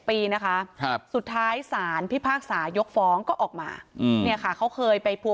ปีนะคะสุดท้ายศาลพิพากษายกฟ้องก็ออกมาเขาเคยไปผัว